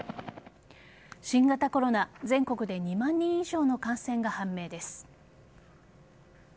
新型コロナ全国で２万人以上の感染が判明です。